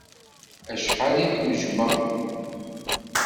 Acḥal ay kem-jjmeɣ!